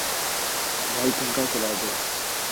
بھائی پنکھا چلا دو